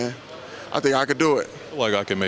saya pikir saya bisa melakukannya